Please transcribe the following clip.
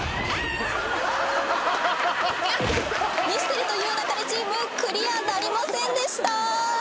ミステリと言う勿れチームクリアなりませんでした！